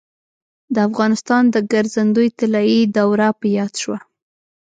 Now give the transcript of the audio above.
د افغانستان د ګرځندوی طلایي دوره په یاد شوه.